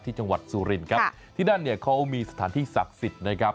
จังหวัดสุรินครับที่นั่นเนี่ยเขามีสถานที่ศักดิ์สิทธิ์นะครับ